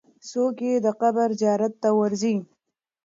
څوک یې د قبر زیارت ته ورځي؟